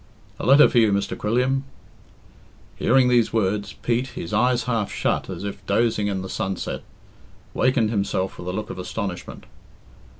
"A letter for you, Mr. Quilliam." Hearing these words, Pete, his eyes half shut as if dosing in the sunset, wakened himself with a look of astonishment.